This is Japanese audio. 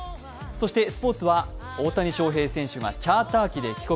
スポーツは大谷翔平選手がチャーター機で帰国。